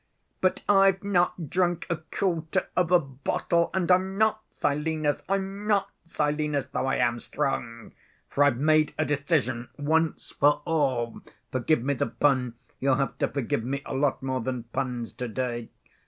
But I've not drunk a quarter of a bottle, and I'm not Silenus. I'm not Silenus, though I am strong, for I've made a decision once for all. Forgive me the pun; you'll have to forgive me a lot more than puns to‐day.